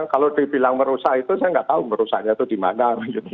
kalau dibilang merusak itu saya nggak tahu merusaknya itu di mana